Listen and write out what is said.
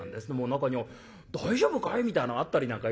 中には「大丈夫かい？」みたいなのあったりなんかいたします。